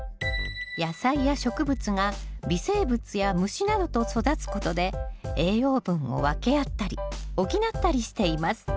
野菜や植物が微生物や虫などと育つことで栄養分を分け合ったり補ったりしています